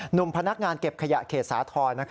หนุ่มพนักงานเก็บขยะเขตสาธรณ์